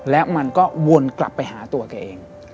และมันก็วนกลับไปหาตัวแกเอง